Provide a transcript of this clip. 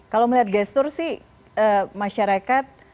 kalau melihat gestur sih masyarakat